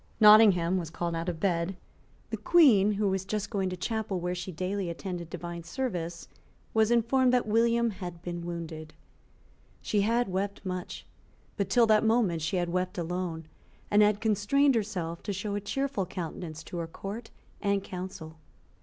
Nottingham was called out of bed. The Queen, who was just going to the chapel where she daily attended divine service, was informed that William had been wounded. She had wept much; but till that moment she had wept alone, and had constrained herself to show a cheerful countenance to her Court and Council.